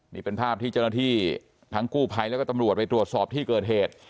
นี่เป็นภาพที่เจ้าหน้าที่ทั้งกู้ภัยแล้วก็ตำรวจไปตรวจสอบที่เกิดเหตุ